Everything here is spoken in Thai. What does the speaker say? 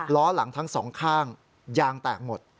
ล้อหลังทั้งสองข้างยางแตกหมด